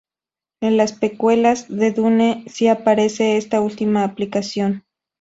En las precuelas de Dune, sí aparece esta última aplicación.